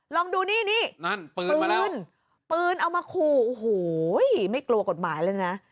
ลองดูนี่นี่นั่นปืนมาแล้วปืนเอามาขู่โอ้โหไม่กลัวกฎหมายเลยนะ